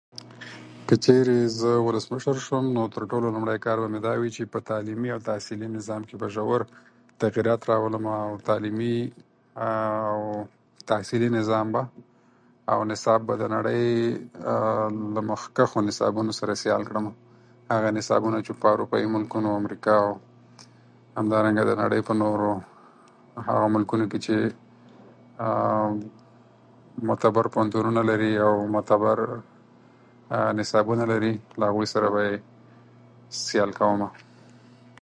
که چيري زه ولسمشر سم نو تر ټولو لومړي کار به مي دا وي چي په تعليمي او تحصيلي نظام کي به ژور تغيرات راولم او تعليمي او تحصيلي نظام او نصاب به دنړي له مخکښو نصابونو سره سيال کړم هغه نصابونه چی په اروپايي ملکونو امريکا همدارنګه دنړي په نورو هغه ملکونو کي چي دنړي معتبر پوهنتونونه لري او معتبر نصابونه لري له هغوي سره به یی سيال کومه